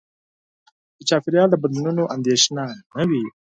د چاپېریال بدلونونو اندېښنه نه وي.